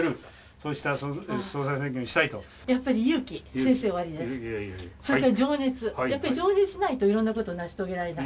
それから情熱、やっぱり情熱がないといろんなことを成し遂げられない。